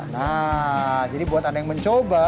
nah jadi buat anda yang mencoba